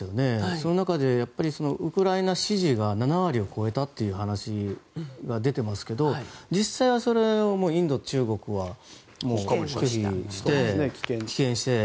その中でウクライナ支持が７割を超えたという話が出ていますけど実際は、それに対しインド、中国は棄権して。